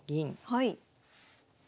はい。